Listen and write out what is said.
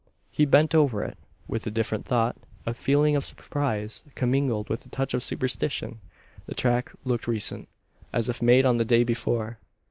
He bent over it, with a different thought a feeling of surprise commingled with a touch of superstition. The track looked recent, as if made on the day before.